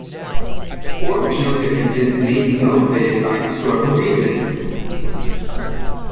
Organizational differences may be motivated by historical reasons.